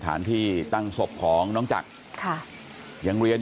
สถานที่ตั้งศพของน้องจักร